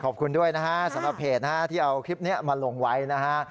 ขอบคุณด้วยนะฮะสำหรับเพจนะฮะที่เอาคลิปนี้มาลงไว้นะฮะ